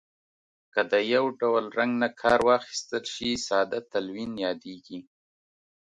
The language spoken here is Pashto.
که د یو ډول رنګ نه کار واخیستل شي ساده تلوین یادیږي.